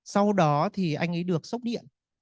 sau đó thì anh ấy được sốc điện